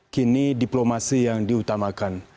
kini diplomasi yang diutamakan